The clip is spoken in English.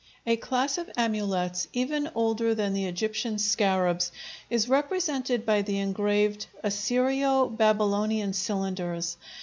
A class of amulets even older than the Egyptian scarabs is represented by the engraved Assyrio Babylonian cylinders.